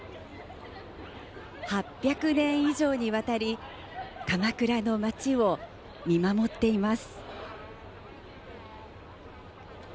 ８００年以上にわたり鎌倉の町を見守っています。